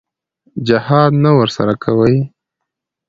جهاد نه ورسره کوي.